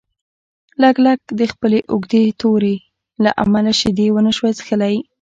لګلګ د خپلې اوږدې تورې له امله شیدې ونشوای څښلی.